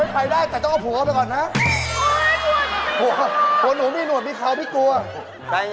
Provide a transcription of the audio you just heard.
พี่นั่นจะหลบให้หนูดูที่บ้าน